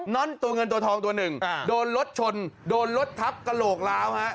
่อนตัวเงินตัวทองตัวหนึ่งโดนรถชนโดนรถทับกระโหลกล้าวฮะ